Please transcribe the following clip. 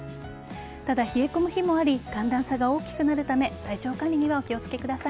ただ、冷え込む日もあり寒暖差が大きくなるため体調管理にはお気をつけください。